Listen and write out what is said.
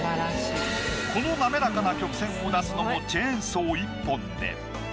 この滑らかな曲線を出すのもチェーンソー１本で。